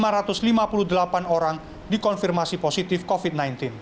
mereka sudah mengatakan bahwa mereka tidak akan menerima konfirmasi positif covid sembilan belas